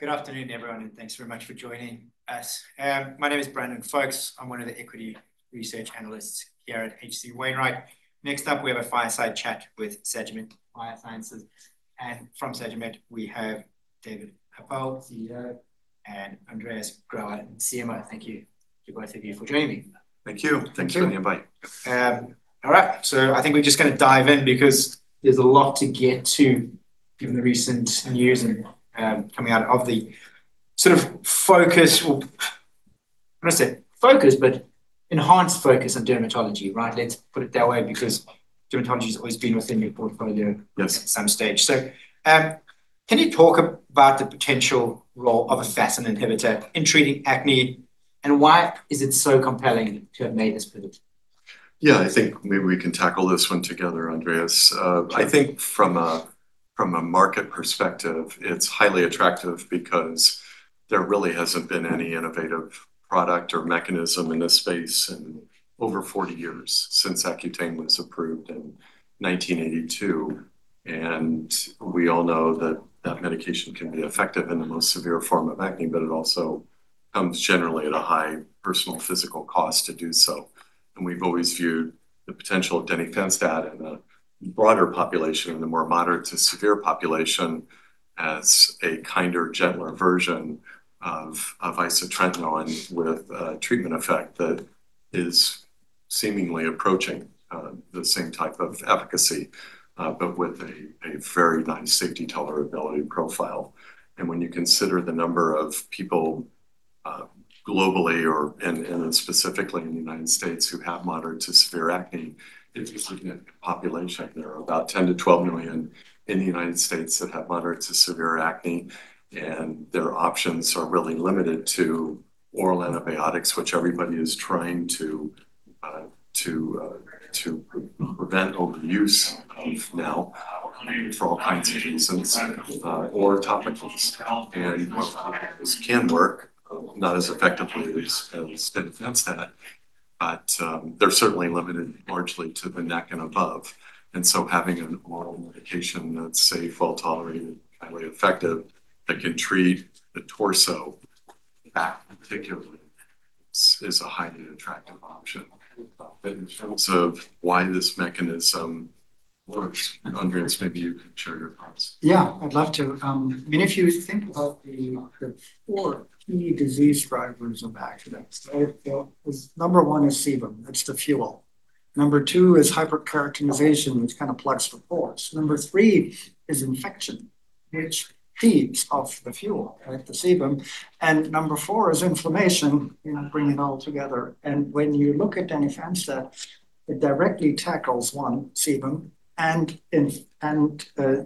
Good afternoon everyone, and thanks very much for joining us. My name is Brandon Folkes. I'm one of the Equity Research Analysts here at H.C. Wainwright. Next up, we have a fireside chat with Sagimet Biosciences. From Sagimet we have David Happel, CEO, and Andreas Grauer, CMO. Thank you to both of you for joining me. Thank you. Thank you. Thanks for the invite. All right, I think we're just gonna dive in because there's a lot to get to given the recent news and, coming out of the sort of or I'm gonna say focus, but enhanced focus on dermatology, right? Let's put it that way because dermatology has always been within your portfolio. Yes. At some stage. Can you talk about the potential role of a FASN inhibitor in treating acne, and why is it so compelling to have made this pivot? Yeah, I think maybe we can tackle this one together, Andreas. I think from a, from a market perspective, it's highly attractive because there really hasn't been any innovative product or mechanism in this space in over 40 years since Accutane was approved in 1982. We all know that that medication can be effective in the most severe form of acne, but it also comes generally at a high personal physical cost to do so. We've always viewed the potential of denifanstat in a broader population, in the more moderate to severe population, as a kinder, gentler version of isotretinoin with a treatment effect that is seemingly approaching the same type of efficacy, but with a very nice safety tolerability profile. When you consider the number of people, globally or in, and specifically in the U.S., who have moderate to severe acne, if you're looking at population, there are about 10 million-12 million in the U.S. that have moderate to severe acne, and their options are really limited to oral antibiotics, which everybody is trying to prevent overuse of now for all kinds of reasons, or topicals. While topicals can work, not as effectively as denifanstat, but they're certainly limited largely to the neck and above. Having an oral medication that's safe, well-tolerated, highly effective, that can treat the torso back particularly is a highly attractive option. In terms of why this mechanism works, Andreas, maybe you can share your thoughts. I'd love to. I mean, if you think about the four key disease drivers of acne, right? Number one is sebum, that's the fuel. Number two is hyperkeratinization, which kind of plugs the pores. Number three is infection, which feeds off the fuel, right, the sebum. Number four is inflammation, you know, bringing it all together. When you look at denifanstat, it directly tackles one, sebum, and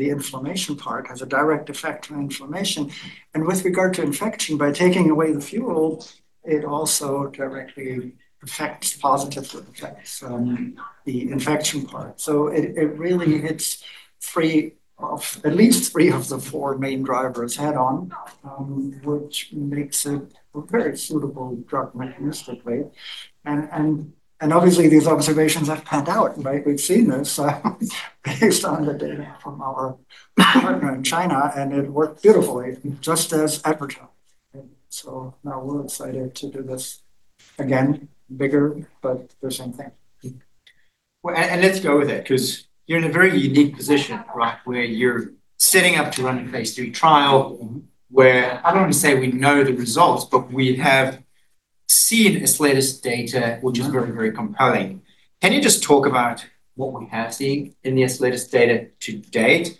the inflammation part has a direct effect on inflammation. With regard to infection, by taking away the fuel, it also directly affects positively the infection part. It really hits three of at least three of the four main drivers head on, which makes it a very suitable drug mechanistically. Obviously these observations have panned out, right? We've seen this based on the data from our partner in China, and it worked beautifully, just as advertised. Now we're excited to do this again, bigger, but the same thing. Let's go with it, because you're in a very unique position, right, where you're setting up to run a phase III trial where I don't want to say we know the results, but we have seen Ascletis data, which is very, very compelling. Can you just talk about what we have seen in the Ascletis data to date?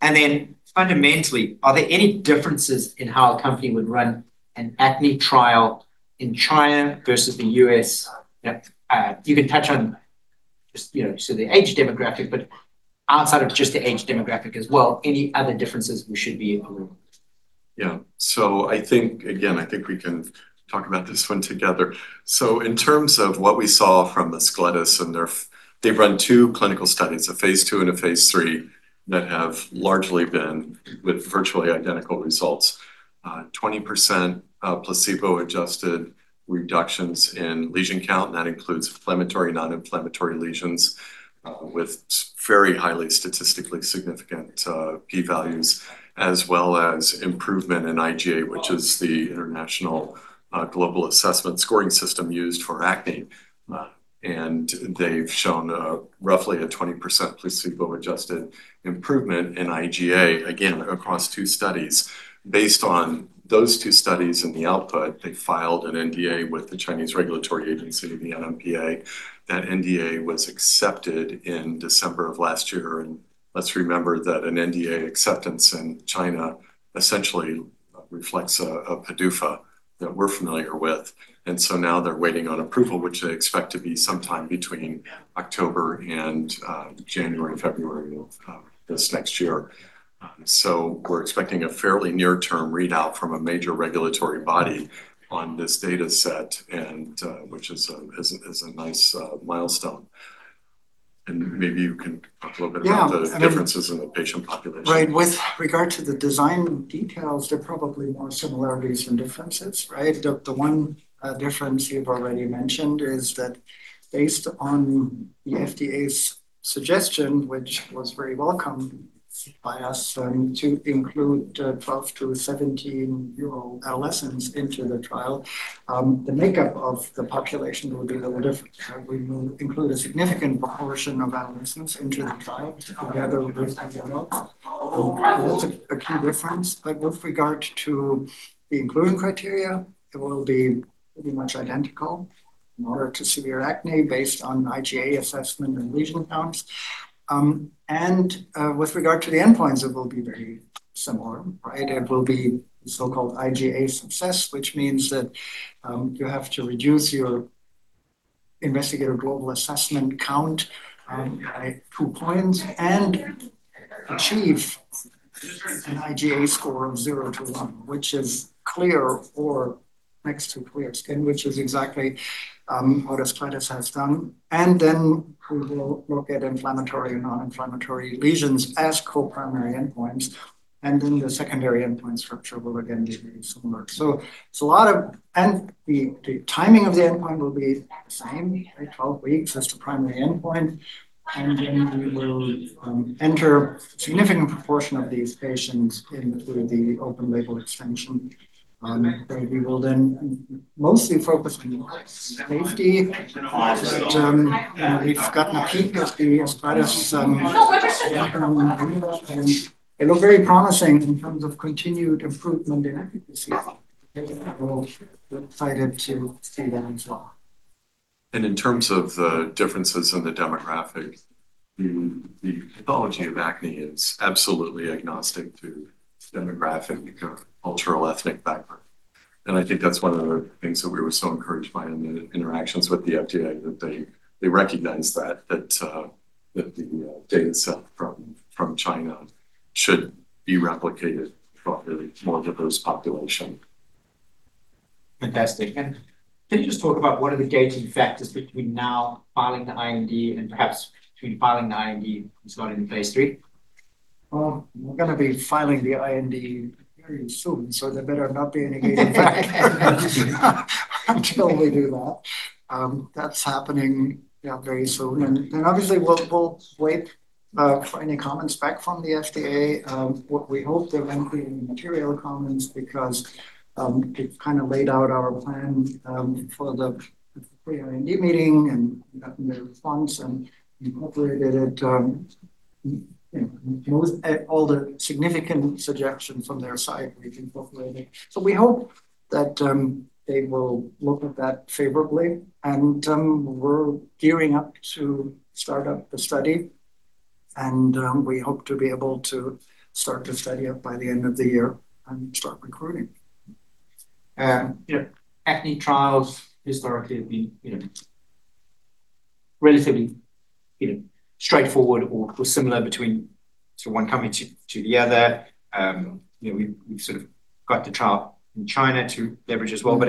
Then fundamentally, are there any differences in how a company would run an acne trial in China versus the U.S. that you can touch on just, you know, so the age demographic, but outside of just the age demographic as well, any other differences we should be aware of? Yeah. I think, again, I think we can talk about this one together. In terms of what we saw from Ascletis and their they've run two clinical studies, a phase II and a phase III, that have largely been with virtually identical results. 20% placebo-adjusted reductions in lesion count, and that includes inflammatory and non-inflammatory lesions, with very highly statistically significant P values, as well as improvement in IGA, which is the International Global Assessment scoring system used for acne. And they've shown roughly a 20% placebo-adjusted improvement in IGA, again, across two studies. Based on those two studies and the output, they filed an NDA with the Chinese regulatory agency, the NMPA. That NDA was accepted in December of last year. Let's remember that an NDA acceptance in China essentially reflects a PDUFA that we're familiar with. Now they're waiting on approval, which they expect to be sometime between October and January, February of this next year. We're expecting a fairly near-term readout from a major regulatory body on this data set and which is a nice milestone. Yeah. Maybe you can [inaudible] the differences in the patient population. Right. With regard to the design details, they're probably more similarities than differences, right? The one difference you've already mentioned is that based on the FDA's suggestion, which was very welcome by us, to include 12 to 17-year-old adolescents into the trial. The makeup of the population will be a little different. We will include a significant proportion of adolescents into the trial together with the adults. That's a key difference. With regard to the inclusion criteria, it will be pretty much identical. Moderate to severe acne based on IGA assessment and lesion counts. With regard to the endpoints, it will be very similar, right? It will be the so-called IGA success, which means that, you have to reduce your investigator global assessment count, by two points and achieve an IGA score of zero to one, which is clear or next to clear skin, which is exactly what Ascletis has done. We will look at inflammatory and non-inflammatory lesions as co-primary endpoints, and then the secondary endpoint structure will again be very similar. It's a lot of-- and the timing of the endpoint will be the same, right, 12 weeks as the primary endpoint. We will enter significant proportion of these patients into the open label extension. We will then mostly focus on safety. We've gotten a peek at the Ascletis', data in Europe, and it looked very promising in terms of continued improvement in efficacy. We're excited to see that as well. In terms of the differences in the demographic, the pathology of acne is absolutely agnostic to demographic, cultural, ethnic background. I think that's one of the things that we were so encouraged by in the interactions with the FDA that they recognized that the data set from China should be replicated for a more diverse population. Fantastic. Can you just talk about what are the gating factors between now filing the IND and perhaps between filing the IND and starting phase III? Well, we're gonna be filing the IND very soon, there better not be any gating factors until we do that. That's happening, yeah, very soon. Obviously, we'll wait for any comments back from the FDA. We hope there won't be any material comments because it kind of laid out our plan for the pre-IND meeting and gotten their response, and we incorporated it. You know, all the significant suggestions from their side, we've incorporated. We hope that they will look at that favorably. We're gearing up to start up the study, and we hope to be able to start the study up by the end of the year and start recruiting. You know, acne trials historically have been, you know, relatively, you know, straightforward or similar between sort of one company to the other. [inaudible] I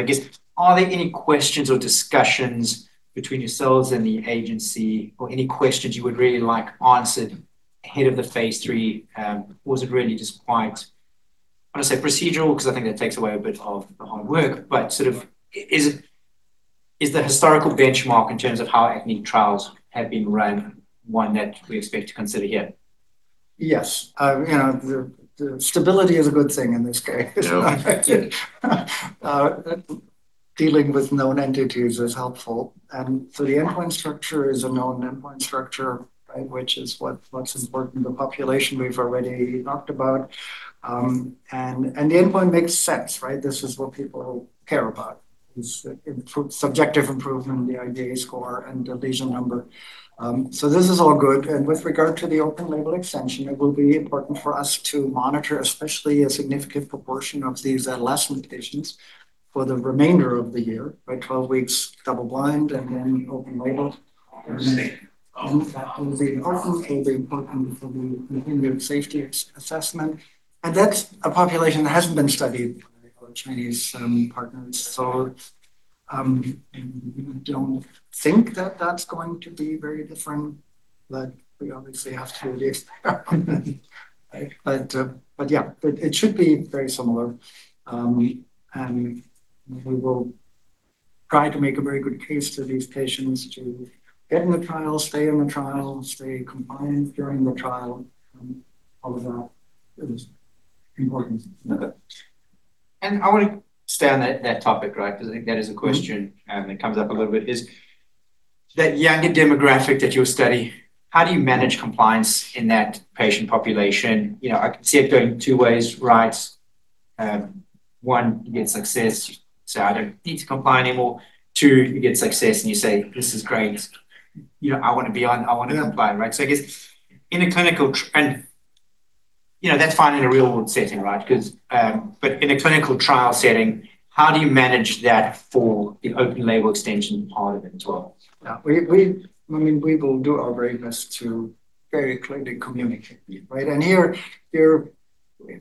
guess, are there any questions or discussions between yourselves and the agency or any questions you would really like answered ahead of the phase III? Was it really just quite, I want to say procedural, because I think that takes away a bit of the hard work, sort of is the historical benchmark in terms of how acne trials have been run, one that we expect to consider here? Yes. You know, the stability is a good thing in this case. Yeah. Dealing with known entities is helpful. The endpoint structure is a known endpoint structure, right? Which is what's important. The population we've already talked about. The endpoint makes sense, right? This is what people care about, is subjective improvement, the IGA score, and the lesion number. This is all good. With regard to the open label extension, it will be important for us to monitor especially a significant proportion of these adolescent patients for the remainder of the year by 12 weeks, double blind, and then open label. Interesting. That will be important for the safety assessment. That's a population that hasn't been studied by our Chinese partners. We don't think that that's going to be very different. We obviously have to at least try. Yeah, it should be very similar. We will try to make a very good case to these patients to get in the trial, stay in the trial, stay compliant during the trial. All of that is important. Okay. I want to stay on that topic, right. I think that is a question that comes up a little bit, is that younger demographic that you'll study, how do you manage compliance in that patient population? You know, I could see it going two ways, right. one, you get success, so I don't need to comply anymore. Two, you get success, and you say, "This is great." You know, I wanna comply, right. I guess in a clinical, and, you know, that's fine in a real-world setting, right. In a clinical trial setting, how do you manage that for the open label extension part of it as well? I mean, we will do our very best to very clearly communicate, right? Here you're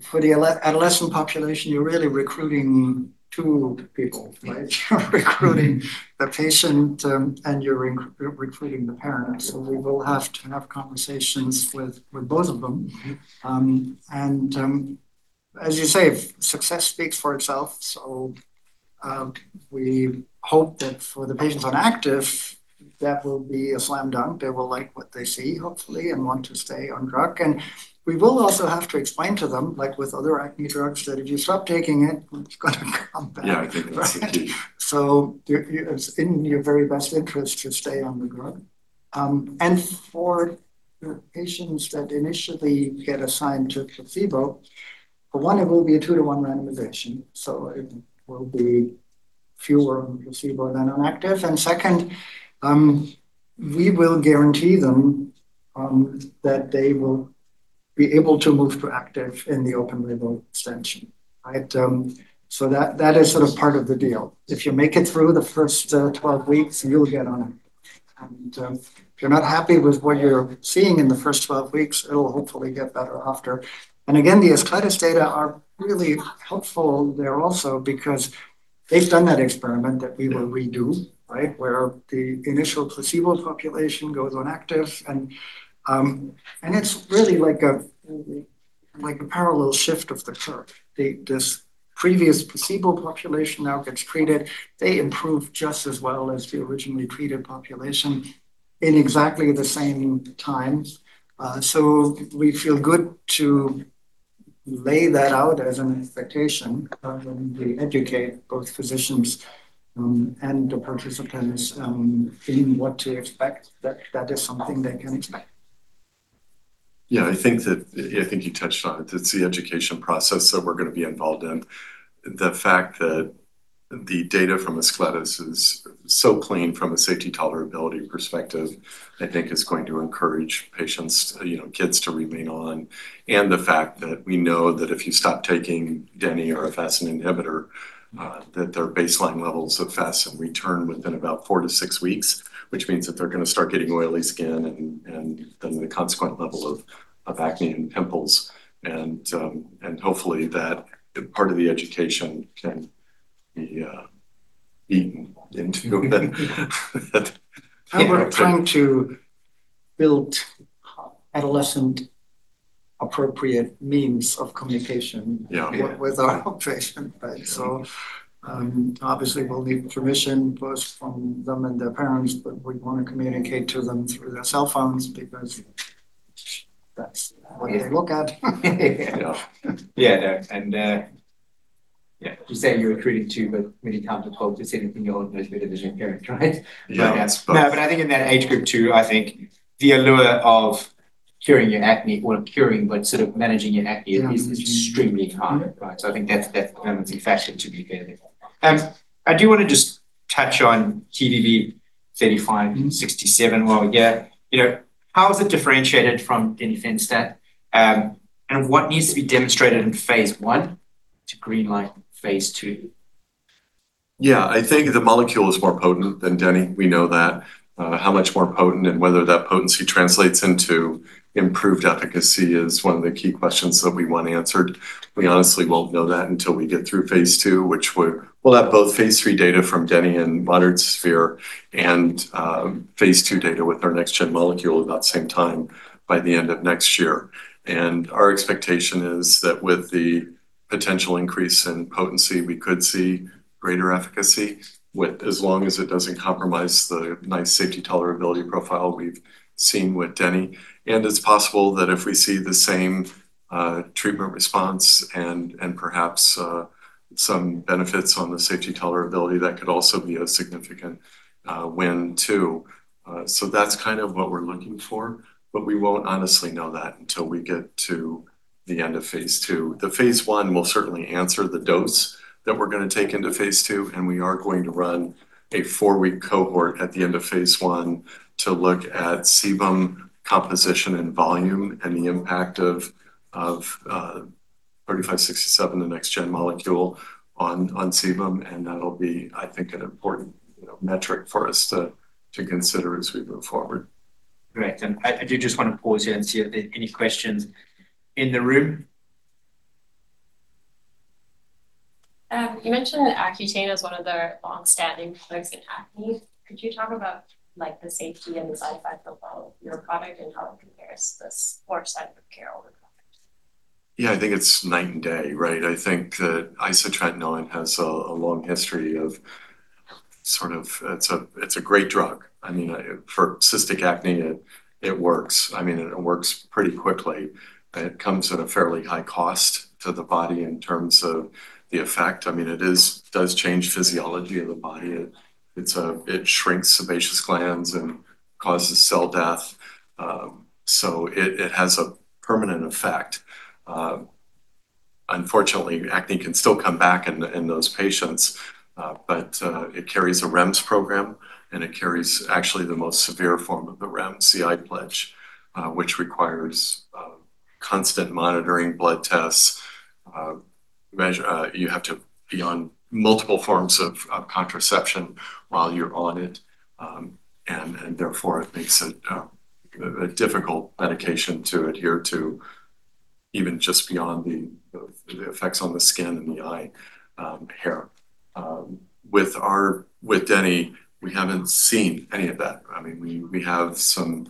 for the adolescent population, you're really recruiting two people, right? You're recruiting the patient, and you're recruiting the parent. We will have to have conversations with both of them. And, as you say, success speaks for itself. We hope that for the patients on active, that will be a slam dunk. They will like what they see, hopefully, and want to stay on drug. We will also have to explain to them, like with other acne drugs, that if you stop taking it's gonna come back. Yeah, I think that's the key. It's in your very best interest to stay on the drug. For the patients that initially get assigned to placebo, for one, it will be a two to one randomization, so it will be fewer on placebo than on active. Second, we will guarantee them that they will be able to move to active in the open label extension, right? That is sort of part of the deal. If you make it through the first 12 weeks, you'll get on it. If you're not happy with what you're seeing in the first 12 weeks, it'll hopefully get better after. Again, the Ascletis data are really helpful there also because they've done that experiment that we will redo, right? Where the initial placebo population goes on active, and it's really like a, like a parallel shift of the curve. This previous placebo population now gets treated. They improve just as well as the originally treated population in exactly the same times. We feel good to lay that out as an expectation when we educate both physicians and the participants in what to expect, that that is something they can expect. I think you touched on it. It's the education process that we're going to be involved in. The fact that the data from Ascletis is so clean from a safety tolerability perspective, I think is going to encourage patients, you know, kids to remain on. The fact that we know that if you stop taking deni or a FASN inhibitor, that their baseline levels of FASN return within about four to six weeks, which means that they're going to start getting oily skin and then the consequent level of acne and pimples. Hopefully that part of the education can be eaten into then. We're trying to build adolescent appropriate means of communication. Yeah. With our patient base, obviously we'll need permission first from them and their parents, but we wanna communicate to them through their cell phones because that's what they look at. Yeah. Yeah. No. yeah, you say you're treating two, but when it comes to 12, you're saying you know better than your parent, right? No. No, I think in that age group too, I think the allure of curing your acne or curing, but sort of managing your acne is extremely high, right? I think that's an incentive to be careful. I do wanna just touch on TVB-3567 while we're here. You know, how is it differentiated from denifanstat? What needs to be demonstrated in phase I to green light phase II? Yeah. I think the molecule is more potent than deni. We know that. How much more potent and whether that potency translates into improved efficacy is one of the key questions that we want answered. We honestly won't know that until we get through phase II, which we'll have both phase III data from deni and moderate to severe and phase II data with our next gen molecule about same time by the end of next year. Our expectation is that with the potential increase in potency, we could see greater efficacy with as long as it doesn't compromise the nice safety tolerability profile we've seen with deni. It's possible that if we see the same treatment response and perhaps some benefits on the safety tolerability, that could also be a significant win too. That's kind of what we're looking for, but we won't honestly know that until we get to the end of phase II. The phase I will certainly answer the dose that we're gonna take into phase II, and we are going to run a four-week cohort at the end of phase I to look at sebum composition and volume and the impact of 3567, the next gen molecule on sebum. That'll be, I think, an important, you know, metric for us to consider as we move forward. Great. I do just wanna pause here and see if there are any questions in the room. You mentioned Accutane as one of the long-standing products in acne. Could you talk about, like, the safety and the side effect of all your product and how it compares to the poor side effect care of the product? I think it's night and day, right? I think that isotretinoin has a long history of it's a great drug. I mean, for cystic acne, it works. I mean, it works pretty quickly. It comes at a fairly high cost to the body in terms of the effect. I mean, it does change physiology of the body. It shrinks sebaceous glands and causes cell death. It has a permanent effect. Unfortunately, acne can still come back in those patients. It carries a REMS program, and it carries actually the most severe form of the REMS, iPLEDGE, which requires constant monitoring blood tests. You have to be on multiple forms of contraception while you're on it. Therefore it makes it a difficult medication to adhere to even just beyond the effects on the skin and the eye, hair. With deni, we haven't seen any of that. I mean, we have some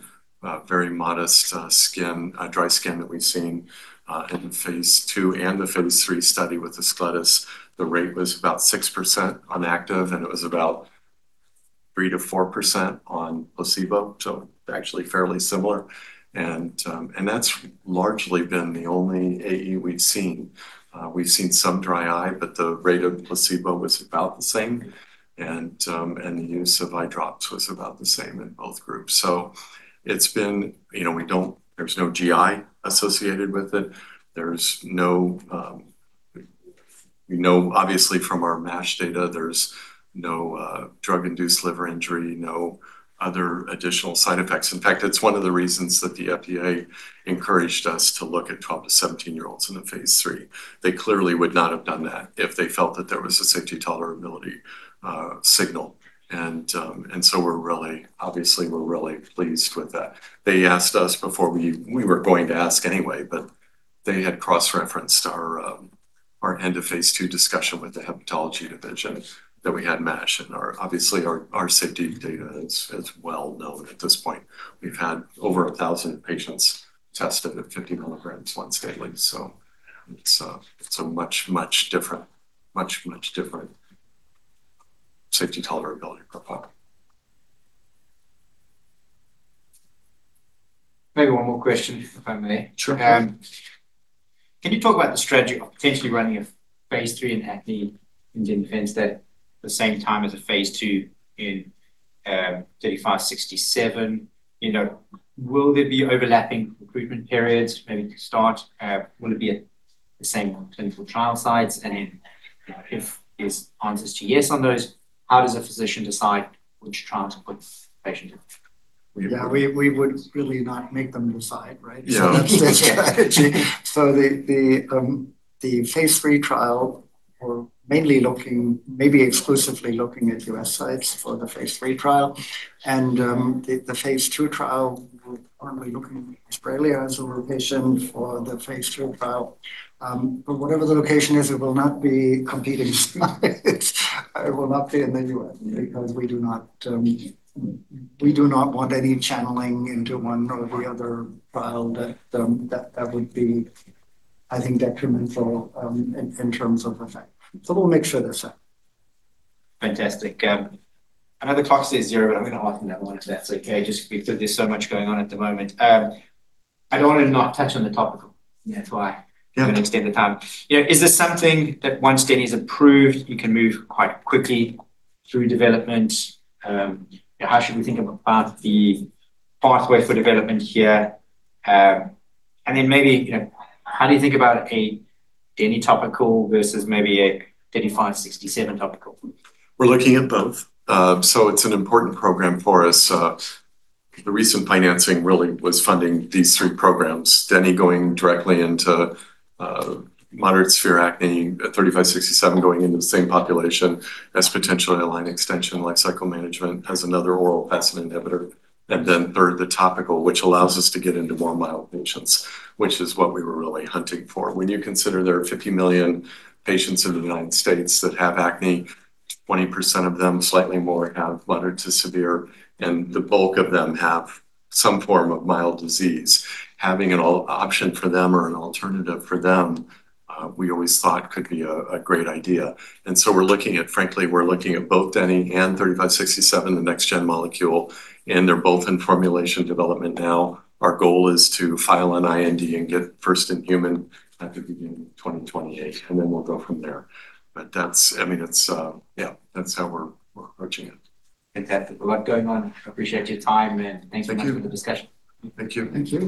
very modest skin, dry skin that we've seen in the phase II and the phase III study with the. [inaudible] The rate was about 6% on active, it was about 3%-4% on placebo, so actually fairly similar. That's largely been the only AE we've seen. We've seen some dry eye, the rate of placebo was about the same. The use of eye drops was about the same in both groups. You know, there's no GI associated with it. There's no, we know obviously from our MASH data, there's no drug-induced liver injury, no other additional side effects. In fact, it's one of the reasons that the FDA encouraged us to look at 12 to 17-year-olds in the phase III. They clearly would not have done that if they felt that there was a safety tolerability signal. Obviously, we're really pleased with that. They asked us before we were going to ask anyway, but they had cross-referenced our end-of-phase II discussion with the hepatology division that we had MASH. Obviously our safety data is well known at this point. We've had over 1,000 patients tested at 50 mg once daily. It's a much, much different safety tolerability profile. Maybe one more question, if I may. Sure. Can you talk about the strategy of potentially running a phase III in acne in denifanstat at the same time as a phase II in 3567? You know, will there be overlapping recruitment periods maybe to start? Will it be at the same clinical trial sites? You know, if the answer is yes on those, how does a physician decide which trial to put patient in? Yeah, we would really not make them decide, right? Yeah. That's the strategy. The phase III trial, we're exclusively looking at U.S. sites for the phase III trial. The phase II trial, we're only looking at Australia as a location for the phase II trial. Whatever the location is, it will not be competing sites. It will not be in the U.S. because we do not want any channeling into one or the other trial that would be, I think, detrimental in terms of effect. We'll make sure they're set. Fantastic. I know the clock says zero, but I'm going to ask another one if that's okay. Just because there is so much going on at the moment. I don't want to not touch on the topical. Yeah. I'm going to extend the time. You know, is this something that once deni is approved, you can move quite quickly through development? How should we think about the pathway for development here? Then maybe, you know, how do you think about a deni topical versus maybe a 3567 topical? We're looking at both. It's an important program for us. The recent financing really was funding these three programs. denifanstat going directly into moderate to severe acne, 3567 going into the same population as potentially an open label extension, lifecycle management, as another oral FASN inhibitor. Third, the topical, which allows us to get into more mild patients, which is what we were really hunting for. When you consider there are 50 million patients in the U.S. that have acne, 20% of them, slightly more, have moderate to severe, and the bulk of them have some form of mild disease. Having an option for them or an alternative for them, we always thought could be a great idea. We're looking at frankly, we're looking at both deni and 3567, the next gen molecule, and they're both in formulation development now. Our goal is to file an IND and get first in human at the beginning of 2028, and then we'll go from there. That's, I mean, it's, yeah, that's how we're approaching it. Fantastic. A lot going on. I appreciate your time, and thanks so much for the discussion. Thank you. Thank you.